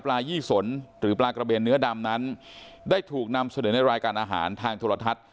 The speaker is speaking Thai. ยี่สนหรือปลากระเบนเนื้อดำนั้นได้ถูกนำเสนอในรายการอาหารทางโทรทัศน์